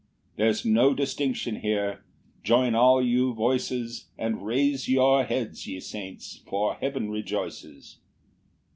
There's no distinction here: join all your voices, And raise your heads, ye saints, for heaven rejoices.